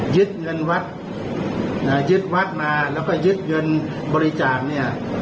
ยึดเงินวัดยึดวัดมาแล้วก็ยึดเงินบริจาคเนี่ย